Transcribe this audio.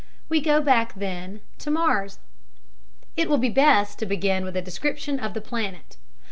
We go back, then, to Mars. It will be best to begin with a description of the planet.